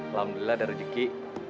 alhamdulillah ada rezeki